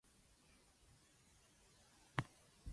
He did not play in the tournament, however.